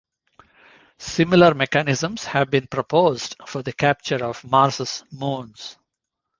Similar mechanisms have been proposed for the capture of Mars's moons.